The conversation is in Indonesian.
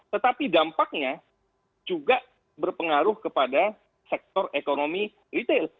tetapi dampaknya juga berpengaruh kepada sektor ekonomi retail